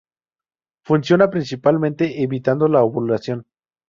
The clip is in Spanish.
Funciona principalmente evitando la ovulación.